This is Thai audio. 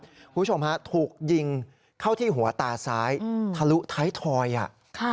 คุณผู้ชมฮะถูกยิงเข้าที่หัวตาซ้ายทะลุท้ายทอยอ่ะค่ะ